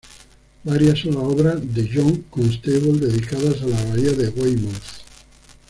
Varias son las obras de John Constable dedicadas a la bahía de Weymouth.